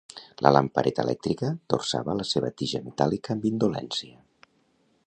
La lampareta elèctrica torçava la seva tija metàl·lica amb indolència.